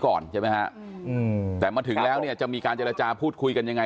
ก่อนใช่ไหมฮะอืมแต่มาถึงแล้วเนี่ยจะมีการเจรจาพูดคุยกันยังไง